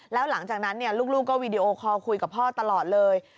แล้วหลังจากนั้นลูกก็วีดีโอคอลคุยกับพ่อตลอดเลย